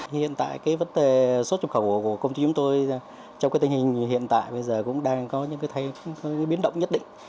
hiện tại cái vấn đề xuất nhập khẩu của công ty chúng tôi trong cái tình hình hiện tại bây giờ cũng đang có những cái biến động nhất định